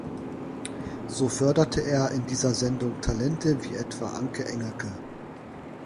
So förderte er in dieser Sendung Talente wie etwa Anke Engelke.